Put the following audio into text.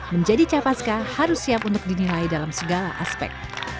menjadi capaska harus siap untuk dinilai dalam segala aspek